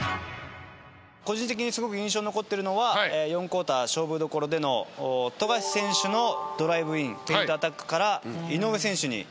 個人的にすごく印象に残っているのは４クォーター勝負どころでの富樫選手のドライブインペイントアタックから井上選手に。